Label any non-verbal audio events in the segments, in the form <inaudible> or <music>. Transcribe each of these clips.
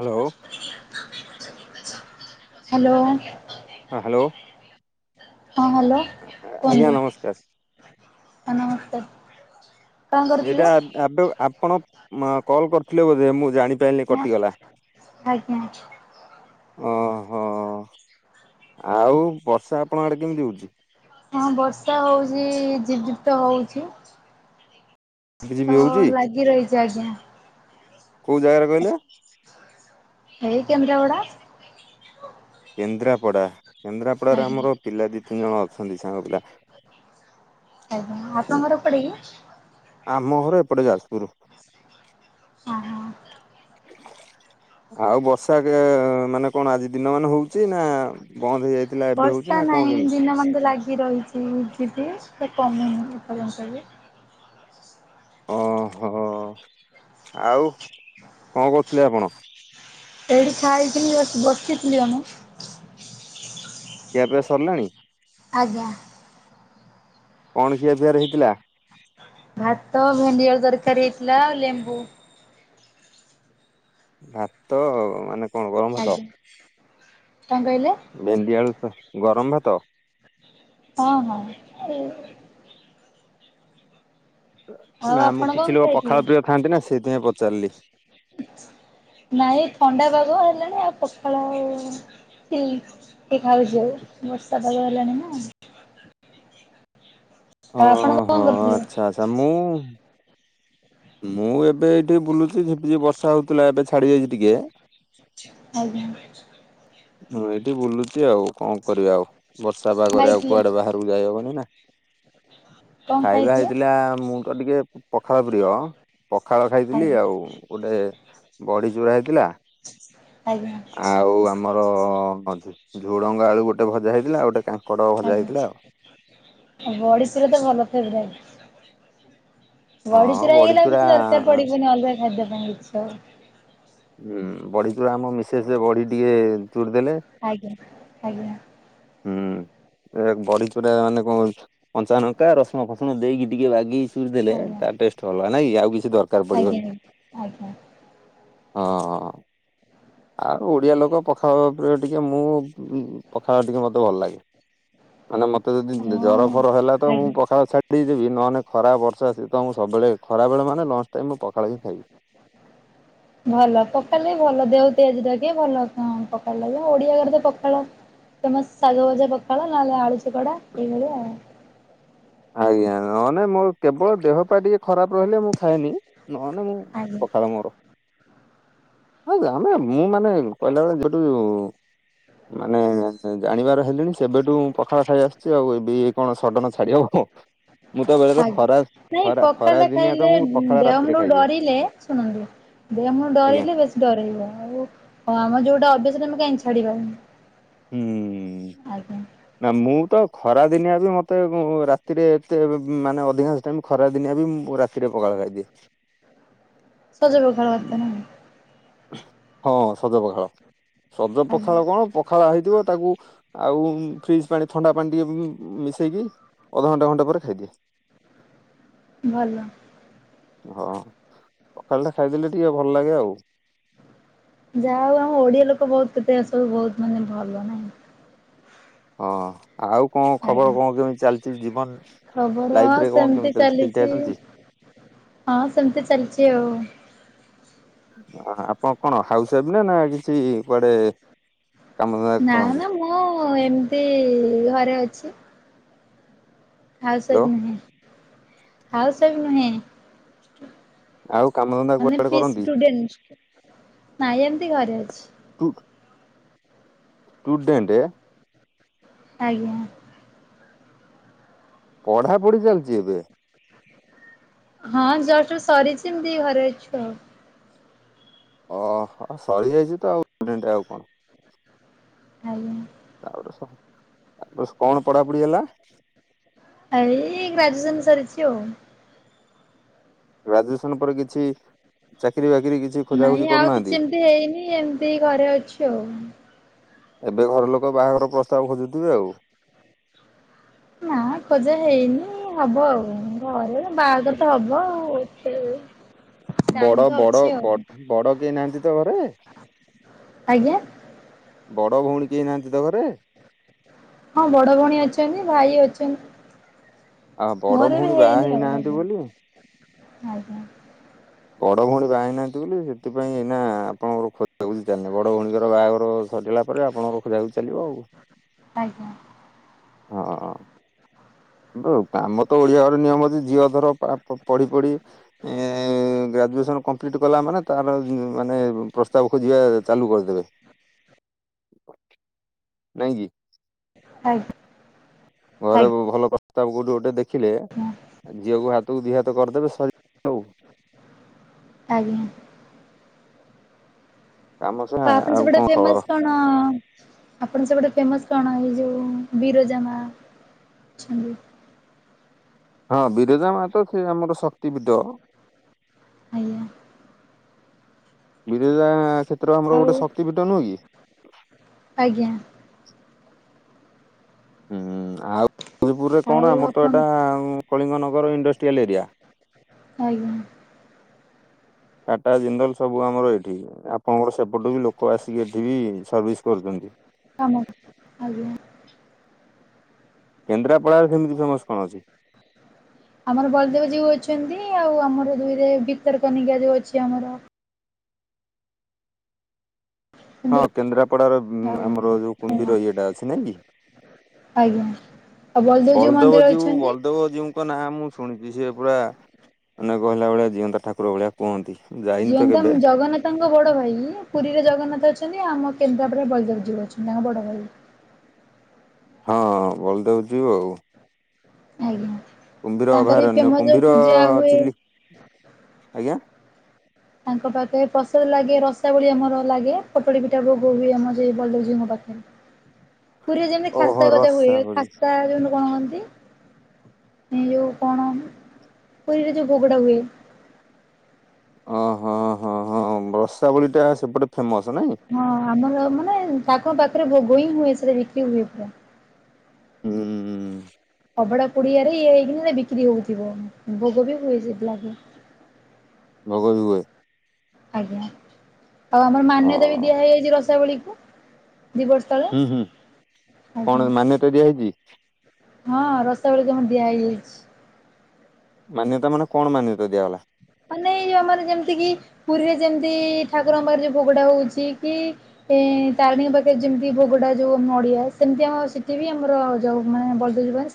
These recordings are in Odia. ହାଲୋ। ହ୍ୟାଲୋ। ହଁ ହାଲୋ। ହଁ ହ୍ୟାଲୋ କୁହନ୍ତୁ, ନମସ୍କାର ସାର୍ ନମସ୍କାର। କଣ ଏଇଟା କରୁଥିଲେ? ଆବେ ଆପଣ କଲ କରିଥିଲେ ବୋଧେ? ମୁଁ ଜାଣିପାଇଲି ନା କଟିଗଲା ଆଜ୍ଞା ହଁ। ହଁ, ଆଉ ବର୍ଷା ଆପଣଙ୍କ ଆଡେ କେମିତି ହଉଛି? ହଁ ବର୍ଷା ହଉଛି, ଝିପ୍ ଝିପ୍ ତ ହଉଛି। ତ ଝିପିଝିପି ହଉଛି ଲାଗି ରହିଛି ଆଜ୍ଞା। କୋଉ ଜାଗାରେ କହିଲେ? ଏଇ କେନ୍ଦ୍ରାପଡ଼ା। କେନ୍ଦ୍ରାପଡା, କେନ୍ଦ୍ରାପଡାରେ ଆଜ୍ଞା। ଆମର ପିଲା ଦି ତିନି ଜଣ ଅ ଆଜ୍ଞା, ଆପଣଙ୍କ ଘର କୁଆଡ଼େ କି? ଆମ ଘର ଏପଟେ ଯାଜପୁର। ହଁ ହଁ ଆଉ ବର୍ଷା କେ ମାନେ କଣ ଆଜି? ଦିନମାନ ହଉଛି ନା ବନ୍ଦ ହେଇଯାଇଥିଲା ଏବେ ବର୍ଷା ହଉଛି ନା କଣ ନାହିଁ କେମିତି? ଦିନମାନ ତ ଲାଗି ରହିଛି ଝିପି ସେ କମୁନି ଏପର୍ଯ୍ୟନ୍ତ ବି। ଓହୋଃ, ଆଉ କଣ କରୁଥିଲେ ଆପଣ? ଏଇଠି ଖାଇଥିଲି ଆସି ବସି ବସିଥିଲି ଆ ମୁଁ। ଖିଆପିଆ ସରିଲାଣି? ଆଜ୍ଞା। କଣ ଖିଆପିଆରେ ହେଇଥିଲା? ଭାତ ଭେଣ୍ଡି ଆଳୁ ତରକାରୀ ହେଇଥିଲା ଆଉ ଲେମ୍ବୁ। ଭାତ ମାନେ କଣ ଗରମ ଭାତ? ଆଜ୍ଞା କଣ କହିଲେ? ଭେଣ୍ଡି ଆଳୁ <inaudible> ଗରମ ଭାତ? ହଁ- ହଁ <inaudible> ଆଉ ନା ମୁଁ ଆପଣ କଣ କିଛି ଲୋକ ଖାଇଥିଲେ? ପଖାଳ ପ୍ରିୟ ଥାନ୍ତି ନା ସେଇଥିପାଇଁ ପଚାରିଲି। ନାଇଁ ଥଣ୍ଡା ପାଗ ହେଲାଣି ଆଉ ପଖାଳ ଆଉ ହୁଁ କିଏ ଖାଉଛି ଆଉ ବର୍ଷା ପାଗ ହେଲାଣି ନା। ଆଉ ଆପଣ ହଁ- କଣ ହଁ, କରିଥିଲେ? ଆଛା- ଆଛା ମୁଁ ମୁଁ ଏବେ ଏଇଠି ବୁଲୁଛି, ଝିପିଝିପି ବର୍ଷା ହଉଥିଲା, ଏବେ ଛାଡି ଯାଇଛି ଟିକେ। ଆଜ୍ଞା। ମୁଁ ଏଇଠି ବୁଲୁଚି ଆଉ, କଣ କରିବା ଆଉ, ବର୍ଷା ପାଗରେ ଆଉ ଖାଇଥିଲେ କୁଆଡେ ବାହାରକୁ ଯାଇହବନି ନା। କଣ ଖାଇବା ଖାଇଥିଲେ? ହେଇଥିଲା ମୁଁ ତ ଟିକେ ପଖାଳ ପ୍ରିୟ, ପଖାଳ ଖାଇଥିଲି ଆଜ୍ଞା ଆଉ ଗୋଟେ ବଡ଼ିଚୁରା ହେଇଥିଲା। ଆଜ୍ଞା। ଓ ଝୁଡଙ୍ଗ ଆଳୁ ଗୋଟେ ଭଜା ହେଇଥିଲା ଆଉ ଗୋଟେ କାଙ୍କ୍ ଆଜ୍ଞା ବଡ଼ିଚୁରା ତ ଭଲ ଫେବରାଇଟ୍। ହଁ ବଡିଚୁରା ହେଇଗଲେ ଆଉ ବଢିଚୁରା କିଛି ଦରକାର ପଡିବନି ଅଲଗା ଖାଦ୍ୟ ପାଇଁ କିଛି ଆଉ। ହୁଁ ବଡିଚୁରା ଆମ ମିସେସ ବଡି ଟିକେ ଚୁରି ଦେଲେ। ଆଜ୍ଞା ଆଜ୍ଞା ହୁଁ, ଏ ବଡି ଚୁରା ମାନେ କଣ <inaudible> କଞ୍ଚା ଲଙ୍କା ରସୁଣ ଫସୁଣ ଦେଇକି ଟିକେ ବାଗେଇକି ଚୁରି ଦେଲେ ଆଜ୍ଞା ତା ଟେଷ୍ଟ ଅଲଗା ନାଇଁକି ଆଉ କିଛି ଦରକାର ପଡିବନି‌ ଆଜ୍ଞ୍। ହଁ। ଆଉ ଓଡିଆ ଲୋକ ପଖାଳ ପ୍ରିୟ ଟିକେ ମୁଁ ପଖାଳ ଟିକେ ମତେ ଭଲ ଲାଗେ। ମାନେ ମତେ ଯଦି ଆଜ୍ଞା ଜର ହଁ ଫର ହେଲା ତ ମୁଁ ଆଜ୍ଞା। ପଖାଳ ଛାଡି ଦେଇ ଥିବି ନହେଲେ ଖରା ବର୍ଷା ଶୀତ ମୁଁ ସବୁବେଳେ ଖରାବେଳ ମାନେ ଲଞ୍ଚ ଟାଇମ୍ ମୁଁ ପଖାଳ ହିଁ ଖାଇବି। ଭଲ ପଖାଳ ବି ଭଲ ଦେହ <inaudible> ଭଲ କଣ ପଖାଳ <inaudible> ଓଡିଆ ଘରେ ତ ପଖାଳ ତମେ ଶାଗ ଭଜା ପଖାଳ ନହେଲେ ଆଳୁ ଚକଡା ଏଇ ଭଳିଆ ଆଉ। ଆଜ୍ଞା ନହେଲେ ମୋ କେବଳ ଦେହପା ଟିକେ ଖରାପ୍। ରହିଲେ ମୁଁ ଖାଏନି ନହଲେ ମୁଁ ଆଜ୍ଞା। ପଖାଳ ମୋର। ଆଁ ଯା ମ ମୁଁ ମାନେ କହିଲା ଭଳିଆ ଯୋଉଠୁ ମାନେ ଜାଣିବାର ହେଲିଣି ସେବେଠୁ ମୁଁ ପଖାଳ ଖାଇ ଆସୁଛି ଆଉ ଏବେ ଏ କଣ ସଡ଼ନ ଛାଡିହେବ। ଆଜ୍ଞ୍, ନାଇଁ ପଖାଳଟା ଦିନିଆ ଖାଇଲେ ତ ମୁଁ ପଖାଳ ରାତିରେ ଦେହମୁଣ୍ଡକୁ ଖାଇଦିଏ ଡରିଲେ ଶୁଣନ୍ତୁ ଦେହ ମୁ <inaudible> ଆଜ୍ଞା ଡରିଲେ ବେଶୀ ଡରେଇବ ଆଉ ଆମର ଯୋଉଟା ଅଭ୍ୟାସ୍ <inaudible> କାହିଁ ଛାଡିିବ, ହୁଁ। ଆଜ୍ଞା। ନା ମୁଁ ତ ଖରାଦିନିଆ ବି ମୋତେ ରାତିରେ ଏତେ ମାନେ ଅଧିକାଂଶ ଟାଇମ୍ ଖରାଦିନିଆ ବି ମୁଁ ମୁଁ ରାତିରେ ପଖାଳ ଖାଇଦିଏ। <unintelligible> ହଁ ସଜ ପଖାଳ, ସଜ ଆଜ୍ଞା ପଖାଳ କଣ ପଖାଳ ହେଇଥିବ ତାକୁ ଆଉ ଫ୍ରିଜ ପାଣି ଥଣ୍ଡା ପାଣି ଟିକେ ମିଶେଇକି ଅଧଘଣ୍ଟା ଘଣ୍ଟା ପରେ ଖାଇଦିଏ। <inaudible> ଭଲ ହଁ ପଖାଳ ଟା ଖାଇଦେଲେ ଟିକେ ଭଲ ଲାଗେ ଆଉ ଯାହା ହଉ ଆମ ଓଡିଆ ଲୋକ ବହୁତ କେତେ ଏ ସବୁ ବହୁତ ମାନେ ଭଲ, ନାହିଁ ହଁ ଆଉ କଣ ଆଜ୍ଞା। ଖବର କଣ କେମିତି ଚାଲିଛି ଜୀବନ? ଖବର ଲାଇଫ ହଁ ରେ କଣ ସେମିତି କେମିତି ଠିକ ଚାଲିଛି ଠାକ ହଁ ସେମିତି ଚାଲିଛି ଆଉ ଆପଣ କଣ ହାଉସ ୱାଇଫ ନା ନା କିଛି କୁଆଡେ? କାମଧନ୍ଦା ନା କରନ୍ତି? ନା ମୁଁ ଏମିତି ଘରେ ଅଛି। ହାଉସ ହ୍ୟାଲୋ ୱାଇଫ ନୁହେଁ, ହାଉସ ୱାଇଫ ନୁହେଁ। ଆଉ କାମଧନ୍ଦା ମାନେ କୁଆଡେ କରନ୍ତି ନାଇଁ ଏମତି ଘରେ ଅଛି। ଦୁଖ ଷ୍ଟୁଡେଣ୍ଟ ଆଜ୍ଞା। ପଢାପଢି ଚାଲିଛି ଏବେ? ହଁ ଜଷ୍ଟ ସରିଛି ଏମତି ଘରେ ଅଛି ଆଉ ଓ ସରିଯାଇଛି ତ ଷ୍ଟୁଡେଣ୍ଟ ଆଉ କଣ? ଆଜ୍ଞା। ତାପରେ ତାପରେ, କଣ ପଢାପଢି ହେଲା? ଏଇ ଗ୍ରାଜୁଏସନ ସରିଛି ଆଉ ଗ୍ରାଜୁଏସନ ପରେ କିଛି ଚାକିରି ବା ନାଇଁ ଆଉ କିଛି ଏମିତି ହେଇନି, ଏମିତି ଘରେ ଅଛି ଆଉ ଏବେ ଘର ଲୋକ ବାହାଘର ପ୍ରସ୍ତାବ ଖୋଜୁଥିବେ ଆଉ ନା ଖୋଜା ହେଇନି ହବ ଆଉ, ଘରେ ବାହାଘର ତ ହବ ଆଉ ହାଲୋ ବଡ ବଡ ବଡ କେହି ନାହାନ୍ତି ତ ଘରେ? ଆଜ୍ଞା। ବଡ ଭଉଣୀ କେହି ନାହାନ୍ତି ତ ଘରେ? ହଁ ବଡ ଭଉଣୀ ଅଛନ୍ତି, ଭାଇ ଆଉ ଅଛନ୍ତି। ବଡ ମୋର ବି ଭଉଣୀ ବାହା ହେଇନି ଆଉ ହେଇନାହାନ୍ତି ବୋଲି ଆଜ୍ଞା। ବଡ ଭଉଣୀ ବାହା ହେଇ ନାହାନ୍ତି ବୋଲି ସେଥିପାଇଁ ନା, ଏଇନା ଆପଣଙ୍କର ଖୋଜାଖୋଜି ଚାଲିନି, ବଡ ଭଉଣୀଙ୍କର ବାହାଘର ସରିଲା ପରେରେ ଆପଣଙ୍କ ଖୋଜାଖୋଜି ଚାଲିବ ଆଉ, ଆଜ୍ଞା ହଁ ହ <inaudible> କିନ୍ତୁ କାମ ତ ଓଡିଆ ଘରେ ନିୟମ ଅଛି ଝିଅଘର ପଢି ପଢି ଏ ଗ୍ରାଜୁଏସନ କମ୍ପଲିଟ କଲା ମାନେ ତାର ମାନେ ପ୍ରସ୍ତାବ ଖୋଜିବା ଚାଲୁ କରିଦେବେ। ନାହି କି ଆଜ୍ଞା ଆଜ୍ଞା ଘରେ ଭଲ ପ୍ରସ୍ତାବ କୋଉଠି ଗୋଟେ ଦେଖି ଆଜ୍ଞା ଦେଖିଲେ ଝିଅକୁ ହାତକୁ ଦି ହାତ କରିଦେବେ ସରିଲା ଆଉ ଆଜ୍ଞା କାମ ସା ତାପରେ ଆଉ ସେଗୁଡା କଣ ଖବର <unintelligible> ଫେମସ୍ କଣ ଏ ଯେଉଁ ବିରଜାମା ଅଛନ୍ତି ହଁ ବିରଜା ମା ତ ସେ ଆମର ଶକ୍ତିପୀଠ ହାଲୋ ବିରଜା କ୍ଷେତ୍ର ଆମର ଆଉ ଗୋଟେ ଶକ୍ତିପୀଠ ନୁହେଁ କି? ଆଜ୍ଞା ହୁଁ ଆଉ ଜାଜପୁରରେ ଆଉ କଣ ଆମର ତ ଆପଣ ଏଇଟା କଳିଙ୍ଗନ ଇଣ୍ଡଷ୍ଟ୍ରୟଲ ଏରିଆ ଆଜ୍ଞା। କାଟା, ଜିନ୍ଦଲ ସବୁ ଆମର ଏଇଠି। ଆପଣଙ୍କର ସେପଟୁ ବି ଲୋକ ଆସିକି ଏଠି ବି ସର୍ଭିସ କରୁଛନ୍ତି। କାମ, ଆଜ୍ଞା। କେନ୍ଦ୍ରାପଡ଼ାରେ ସେମିତି ଫେମସ କଣ ଅଛି? ଆମର ବଲଦେବ ଜୀଉ ଅଛନ୍ତି। ଆଉ ଆମର ଦୁଇରେ ଭିତରକନିକା ଯୋଉ ଅଛି ଆମର। ହଁ କେନ୍ଦ୍ରାପଡାର ଆଉ ଆମର ଯୋଉ କୁମ୍ଭୀର ଇଏଟା ଅଛି ନାଇଁ କି। ଆଜ୍ଞା ଆଉ ବଳଦେବ ମନ୍ଦିର ଜୀଉ ଅଛନ୍ତି। ବଳଦେବ ଜୀଉଙ୍କ ନାଁ ମୁଁ ଶୁଣିଚି। କି ସିଏ ପୁରା ମାନେ କହିଲା ଭଳିଆ ଜିଅନ୍ତା ଠାକୁର ଭଳିଆ କୁହନ୍ତି। ଯାଇନି ତ ଜିଅନ୍ତା କେବେ ଜଗନ୍ନାଥଙ୍କ ବଡ ଭାଇ ପୁରୀରେ ଜଗନ୍ନାଥ ଅଛନ୍ତି। ଆମ କେନ୍ଦ୍ରାପଡା ବଳଦେବ ଜୀଉ ଅଛନ୍ତି। ତାଙ୍କ ବଡ ଭାଇ। ହଁ ବଲଦେବ ଜୀଉ ଆଉ। ଆଜ୍ଞା କୁମ୍ଭୀର ତାଙ୍କର ବି ଅଭୟାରଣ୍ୟ ଫେମସ କୁମ୍ଭୀର ପୂଜା ହୁଏ। ଚିଲି ଆଜ୍ଞା। ତାଙ୍କ ପାଖେ ପ୍ରସାଦ ଲାଗେ ରସାବଳି ଆମର ଲାଗେ। ପୋଟଳୀ ପିଠା ଭୋଗ ହୁଏ, ଆମର ସେଇ ବଳଦେବ ଜୀଉଙ୍କ ପାଖରେ। <inaudible> ପୁରୀରେ ଯେମିତି ଓହୋ ଖାସ୍ତା ଗଜା ରସାବଳି। ହୁଏଖାସ୍ତା ଯୋଉୁ କଣ କହନ୍ତି ଏ ଯୋଉ କଣ ପୁରୀରେ ଯୋଉ ଭୋଗ ଟା ହୁଏ। ଓ ହଁ ହଁ ହଁ ରସାବଳି ଟା ସେପଟେ ଫେମସ ନାଇଁ। ହଁ ଆମର ମାନେ ତାଙ୍କ ପାଖରେ ଭୋଗ ହିଁ ହୁଏ, ସେଟା ନୀତି ହୁଏ ପୁରା। ହୁଁ। ଅବଢ଼ା କୁଡିଆରେ ଇଏ ହେଇକି ବିକ୍ରି ହଉଥିବ। ଭୋଗ ବି ହୁଏ ସେଥିଲାଗି। ଭୋଗ ବି ହୁଏ। ଆଜ୍ଞା। ଆଉ ଆମର ହଁ ମାନ୍ୟତା ବି ଦିଆ ହେଇଯାଇଛି ରସାବଳି କୁ। ହୁଁ ହୁଁ ଆଜ୍ଞା। କଣ ମାନ୍ୟତା ଦିଆ ହେଇଚି। ହଁ ରସାବଳି କୁ ଆମର ଦିଆ ହେଇଯାଇଛି। ମାନ୍ୟତା ମାନେ କଣ ମାନ୍ୟତା ଦିଆଗଲା? ମାନେ ଆମର ଯେମିତି କିି ପୁରୀରେ ଯେମତି ଠାକୁର ଙ୍କ ପାଖରେ ଯୋଉ ଭୋଗଟା ହଉଚି, କି ଏ ତାରିଣୀ ଙ୍କ ପାଖରେ ଯେମିତି ଭୋଗଟା ଯୋଉ ନଡିଆ। ସେମିତି ଆମ ସେଠି ବି ଆମର ଯୋଉ ମାନେ ବଳଦେବ ଜୀଉ ଙ୍କ ପାଖରେ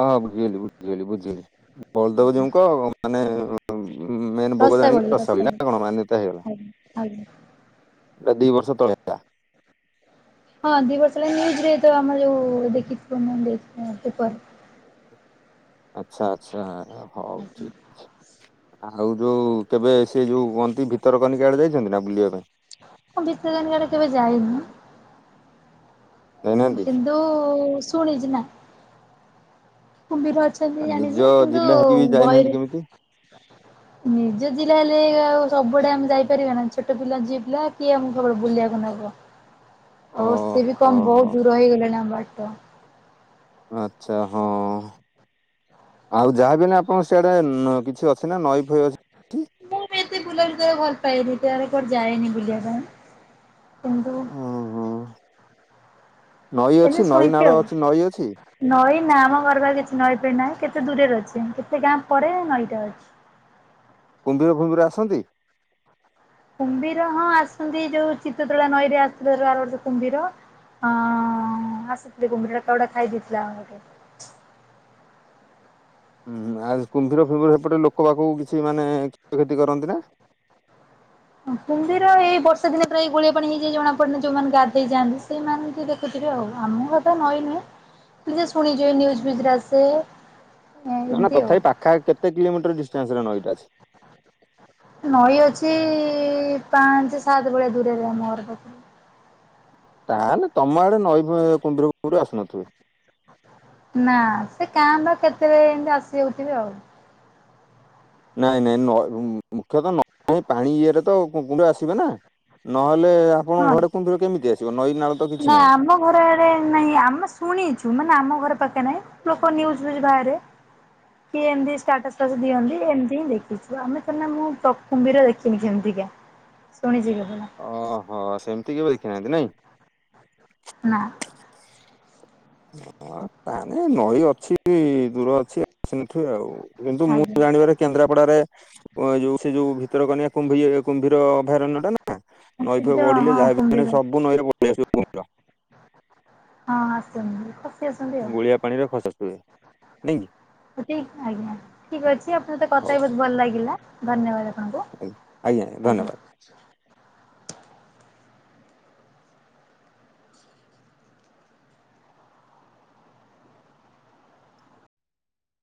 ଓହୋ ବୁଝିଗଲି ବୁଝିଗଲି ବୁଝିଗଲି ବଳଦେବ ଜୀଉଙ୍କ ମାନେ ଉଁ ମେନ ଭୋଗ ଜାଣିକି ରସାବଳି ଟା କଣ ମାନ୍ୟତା। <unintelligible> ଆଜ୍ଞା ଆଜ୍ଞା ଏଟା ଦି ବର୍ଷ ତଳେ ହୋଇଥିଲା। ହଁ ଦିବର୍ଷ ହେଲାଣି ହେଇଚି। ଏ ଆମର ଯୋଉ ଲିଖିତ ପ୍ରମାଣ ଦେଇ ହଁ ପେପର ଆଚ୍ଛା ଆଚ୍ଛା ହଉ ଠିକ୍ ଅଛି। ଆଉ ଯୋଉ କେବେ ସିଏ ଯୋଉ କୁହନ୍ତି ଭିତରକନିକା ଆଡେ ଯାଇଛନ୍ତି ନା ବୁଲିବା ପାଇଁ? ମୁଁ ଭିତରକନିକା ଆଡେ କେବେ ଯାଇନି। ଯାଇନାହାନ୍ତି କିନ୍ତୁ ଶୁଣିଛି ନା। କୁମ୍ଭୀର ଅଛନ୍ତି ଆଉ ନିଜ ଜାଣିଚି। କିନ୍ତୁ ଜିଲ୍ଲା ହେଇକି ବି ଯାଇନାହାନ୍ତି ବହିରେ କେମିତି ନିଜ ଜିଲ୍ଲା ରେ ଆଉ ସବୁଆଡେ ଆମେ ଯାଇପାରିବା ନା। ଛୋଟ ପିଲା ଝିଅ ପିଲା, କିଏ ଆମକୁ ବୁଲେଇବାକୁ ନବ। ଆଉ ସେ ବି କଣ ଓହୋ। ବହୁତ ଦୂର ହେଇଗଲାଣି ଆମ ବାଟ। ଆଚ୍ଛା ହଁ। ଆଉ ଯାହା ବି ନା ଆପଣଙ୍କ ସିଆଡେ କିଛି ଅଛି ନା ନଈ ଫଇ ଅଛି। ମୁଁ ବି ଏତେ ବୁଲାବୁଲି କରିବାକୁ ଭଲ ପାଏନି। କୁଆଡ଼େ ଯାଏନି ବୁଲିବା ପାଇଁ। କିନ୍ତୁ ଓହୋ ନଈ ହେଲେ ଅଛି ନଈ ନାଳ ଶୁଣିଚି ଆଉ। ଅଛି ନଈ ଅଛି ନଈ ନା ଆମ ଘର ପାଖରେ କିଛି ନଈ ନାହିଁ। କେତେ ଦୂରରେ ଅଛି। କେତେ ଗାଁ ପରେ ନଈଟା ଅଛି। କୁମ୍ଭୀର ଫୁମ୍ଭିର ଆସନ୍ତି? କୁମ୍ଭୀର ହଁ ଆସନ୍ତି ଯୋଉ ଚିତ୍ତୋତଳା ନଈରେ ଆସିଥିଲା ଆର ବର୍ଷ କୁମ୍ଭୀର। ହଁ ଆସିଥିଲା କୁମ୍ଭୀର। କାହାକୁ ଗୋଟେ ଖାଇଦେଇଥିଲା। <inaudible> ହୁଁ ଆଉ କୁମ୍ଭୀର ଫୁମ୍ଭୀର ହେପଟେ ଲୋକ ବାକକୁ କିଛି ମାନେ କ୍ଷୟକ୍ଷତି କରନ୍ତି ନା। କୁମ୍ଭୀର ଏଇ ବର୍ଷା ଦିନେ ପ୍ରାୟେ ଏଇ ଗୋଳିଆ ପାଣି ହେଇଯାଇ ଜଣା ପଡନି ଯୋଉମାନେ ଗାଧେଇ ଯାଆନ୍ତି ସେମାନେ ଦେଖୁଥିବେ। ଆମ କଥା ନଈ ନୁହେଁ ଯାହା ଶୁଣିଚୁ ଏଇ ନିୟୁଜ ଫିଉଜରେ ଆସେ। ନା ନା ଏମିତି ଆଉ। ତଥାପି ପାଖା ଆଖି କେତେ କିଲୋମିଟର ଡିଷ୍ଟାନ୍ସ ରେ ନଈଟା ଅଛି? ନଈ ଅଛି ଇ ପାଞ୍ଚ ସାତ ଭଳିଆ ଦୂରରେ ଆମ ଘର ପାଖରୁ। ତାହେଲେ ତମ ଆଡେ ନଈ ଫଇ କୁମ୍ଭୀର ଫୁମ୍ବିର ଆସୁନଥିବେ। ନା ସେ କାଁ ଭା କେତେବେଳେ ଏମତି ଆସିଯାଉଥିବେ ଆଉ? ନାଇଁ ନାଇଁ ନଇ ମୁଖ୍ୟତଃ ନଈ ପାଣି ଇଏରେ ତ କୁମ୍ଭୀର ଆସିବେ ନା ନହେ ନାଳ ତ ନାଇଁ କିଛି ନାଁ ନାହିଁ। ଆମ ଘର ଆଡେ ନାହିଁ ଆମେ ଶୁଣିଚୁ। ମାନେ ଆମ ଘର ପାଖେ ନାଇଁ ଲୋକ ନିୟୁଜ ଫିଉଜ ବାହାରେ। କିଏ ଏମିତି ଷ୍ଟାଟାସ୍ ଫାଟ୍ସ ଦିଅନ୍ତି ଏମିତି ହିଁ ଦେଖିଛୁ? ଆମେ ତ ନା ମୁଁ କୁମ୍ଭୀର ଦେଖିନି କେମିତି? ଆ୍ ଶୁଣିଯିବୁ। ଅହ, ସେମିତି କେବେ ଦେଖିନାହାନ୍ତି ନାଇଁ? ନାଁ। ହ ତାନେ ନଈ ଅଛି ଦୂର ଅଛି ଆସି ନଥିଵେ ଆଉ। କିନ୍ତୁ ମୁଁ ଆଜ୍ଞା ଜାଣିବାରେ କେନ୍ଦ୍ରାପଡାରେ ଯୋଉ ସେ ଯୋଉ ଭିତରକନିକା କୁମ୍ଭୀ କୁମ୍ଭୀର ଅଭୟାରଣ୍ୟ ଟା ନା ନଈ ସେଠି ଫଇ ତ ହଁ ବଢିଲେ ଯାହା ବି କୁମ୍ଭୀର ସବୁ ନଈରେ ପଳେଇ ଆସିବେ କୁମ୍ଭୀର। ହଁ ଆସନ୍ତି ତ। ଗୁଳିଆ ପାଣିରେ ଖସ ଟୁଏ ନାଇଁକି? ଠିକ ଆଜ୍ଞା, ଠିକ ଅଛି ଆପଣଙ୍କ ସହିତ ହଉ କଥା ହ ବହୁତ ଭଲ ଲାଗିଲା ଧନ୍ୟବାଦ। ଆପଣଙ୍କୁ ଆଜ୍ଞା ଆଜ୍ଞା ଆଜ୍ଞା ଧନ୍ୟବାଦ।